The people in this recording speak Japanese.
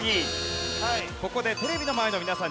ここでテレビの前の皆さんにヒント。